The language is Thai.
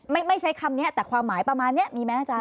ไม่ไม่ใช้คำนี้แต่ความหมายประมาณนี้มีไหมอาจาร